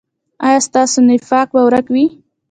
ایا ستاسو نفاق به ورک وي؟